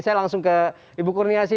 saya langsung ke ibu kurniasi